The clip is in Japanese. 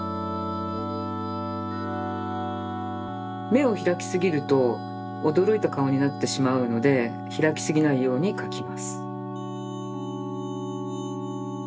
めをひらきすぎるとおどろいたかおになってしまうのでひらきすぎないようにかきます。